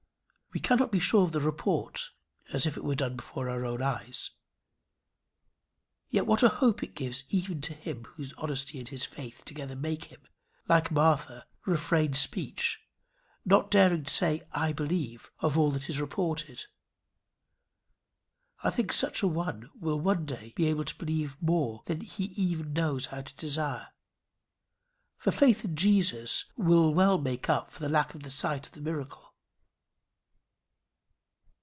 We cannot be sure of the report as if it were done before our own eyes, yet what a hope it gives even to him whose honesty and his faith together make him, like Martha, refrain speech, not daring to say I believe of all that is reported! I think such a one will one day be able to believe more than he even knows how to desire. For faith in Jesus will well make up for the lack of the sight of the miracle.